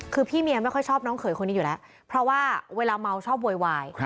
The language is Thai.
คือพี่เมียไม่ค่อยชอบน้องเขยคนนี้อยู่แล้วเพราะว่าเวลาเมาชอบโวยวาย